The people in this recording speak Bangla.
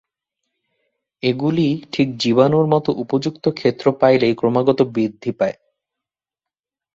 এগুলি ঠিক জীবাণুর মত উপযুক্ত ক্ষেত্র পাইলেই ক্রমাগত বৃদ্ধি পায়।